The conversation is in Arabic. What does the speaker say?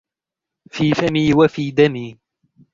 في فمي وفي دمي